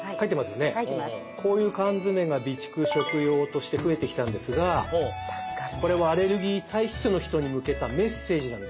こういう缶詰が備蓄食用として増えてきたんですがこれはアレルギー体質の人に向けたメッセージなんですよ。